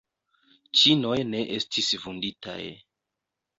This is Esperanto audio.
Ĉinoj ne estis vunditaj.